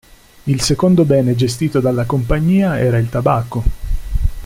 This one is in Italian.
Il secondo bene gestito dalla Compagnia era il tabacco.